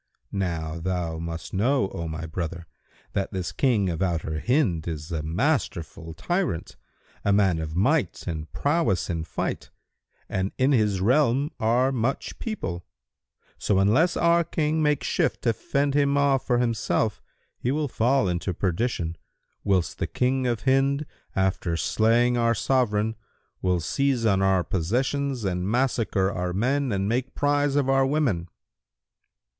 Now thou must know, O my brother, that this King of Outer Hind is a masterful tyrant, a man of might and prowess in fight, and in his realm are much people; so unless our King make shift to fend him off from himself, he will fall into perdition, whilst the King of Hind, after slaying our Sovran, will seize on our possessions and massacre our men and make prize of our women."